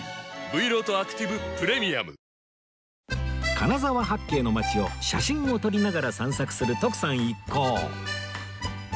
金沢八景の街を写真を撮りながら散策する徳さん一行